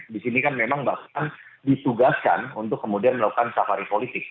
di sini kan memang bahkan ditugaskan untuk kemudian melakukan safari politik